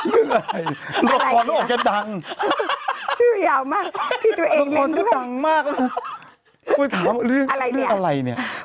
ลองพอต้องออกให้ดังชื่อยาวมากพี่ตัวเองเล่นด้วย